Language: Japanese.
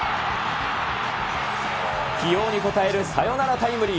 起用に応えるサヨナラタイムリー。